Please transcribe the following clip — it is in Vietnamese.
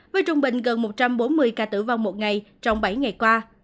với trung bình gần một trăm bốn mươi ca tử vong một ngày trong bảy ngày qua